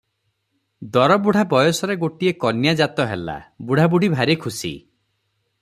ଦରବୁଢା ବୟସରେ ଗୋଟିଏ କନ୍ୟା ଜାତ ହେଲା, ବୁଢ଼ାବୁଢ଼ୀ ଭାରି ଖୁସି ।